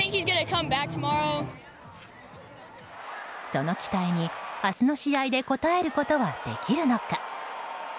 その期待に、明日の試合で応えることはできるのか。